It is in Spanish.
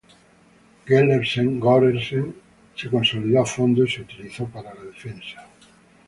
Gelersen-Gorersen se consolidó a fondo y se utilizó para la defensa.